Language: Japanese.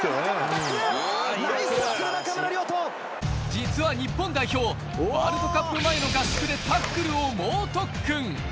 実は日本代表、ワールドカップ前の合宿でタックルを猛特訓。